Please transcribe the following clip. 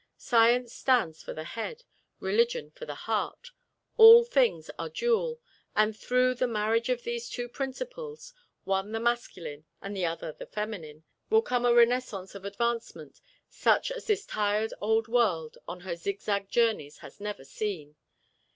Science stands for the head; Religion for the heart. All things are dual, and through the marriage of these two principles, one the masculine and the other the feminine, will come a renaissance of advancement such as this tired old world on her zigzag journeys has never seen.